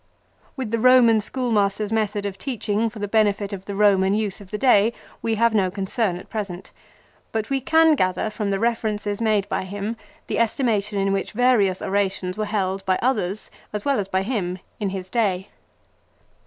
With the Roman school master's method of teaching for the benefit of the Eoman youth of the day we have no concern at present, but we can gather from the references made by him the estimation in which various orations were held by others, as well as by him, in his day.